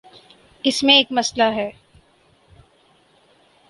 اس میں ایک مسئلہ ہے۔